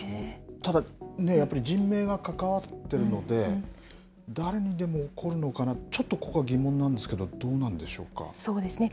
ただ、やっぱり人命が関わってるので、誰にでも起こるのかな、ちょっとここは疑問なんですけど、どうなそうですね。